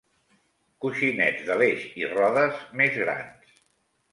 Coixinets de l'eix i rodes més grans.